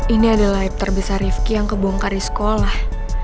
ini adalah live terbesar rifki yang kebongkar di sekolah